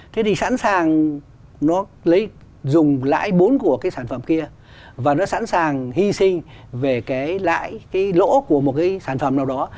thế thì sẵn sàng nó dùng lãi bốn của cái sản phẩm kia và nó sẵn sàng hy sinh về cái lãi cái lỗ của một cái sản phẩm nào đó